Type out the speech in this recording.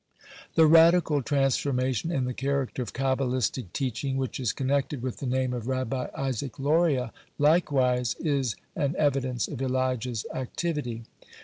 (101) The radical transformation in the character of Kabbalistic teaching which is connected with the name of Rabbi Isaac Loria likewise is an evidence of Elijah's activity.